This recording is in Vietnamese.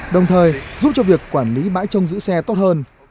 đồng thời giúp cho việc quản lý bãi trông giữ xe tốt hơn